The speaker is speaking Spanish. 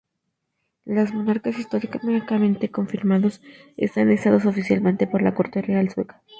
Los monarcas históricamente confirmados están listados oficialmente por la Corte Real Sueca.